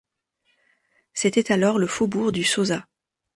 C'était alors le Faubourg du Sauzat.